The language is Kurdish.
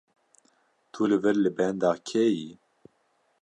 Tu li vir li benda kê yî?